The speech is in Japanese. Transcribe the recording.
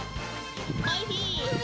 おいしい。